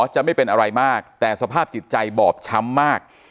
จะไม่เป็นอะไรมากแต่สภาพจิตใจบอบช้ำมาก